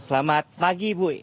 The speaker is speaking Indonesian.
selamat pagi bu